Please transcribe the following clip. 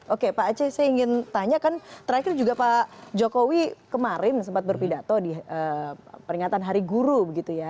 oke pak aceh saya ingin tanya kan terakhir juga pak jokowi kemarin sempat berpidato di peringatan hari guru begitu ya